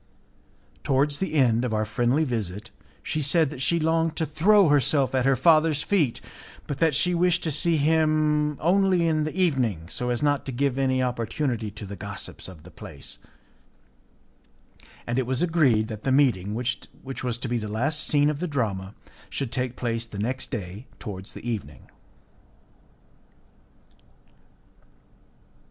Towards the end of our friendly visit, she said that she longed to throw herself at her father's feet, but that she wished to see him only in the evening, so as not to give any opportunity to the gossips of the place, and it was agreed that the meeting, which was to be the last scene of the drama, should take place the next day towards the evening.